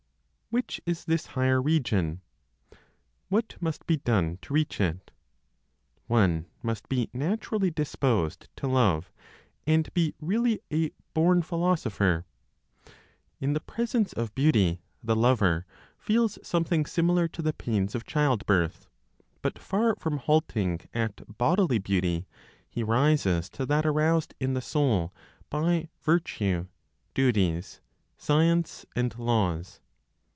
Which is this higher region? What must be done to reach it? One must be naturally disposed to love, and be really a born philosopher. In the presence of beauty, the lover feels something similar to the pains of childbirth; but far from halting at bodily beauty, he rises to that aroused in the soul by virtue, duties, science and laws.